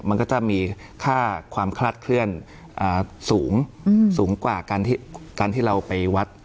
มันก็จะมีค่าความคลัดเคลื่อนอ่าสูงอืมสูงกว่าการที่การที่เราไปวัด